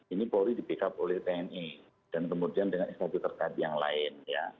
ini polri di backup oleh tni dan kemudian dengan instansi terkait yang lain